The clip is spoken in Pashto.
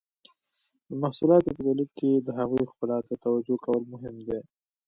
د محصولاتو په تولید کې د هغوی ښکلا ته توجو کول هم مهم دي.